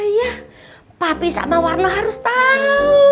ya papi sama warno harus tau